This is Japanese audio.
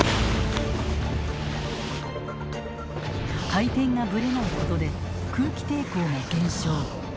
回転がブレないことで空気抵抗が減少。